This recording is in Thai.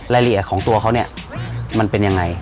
รายละเอียดของตัวเขามันเป็นอย่างไร